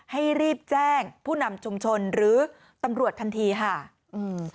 ให้รีบแจ้งผู้นำชุมชนหรือตำรวจทันทีค่ะอืม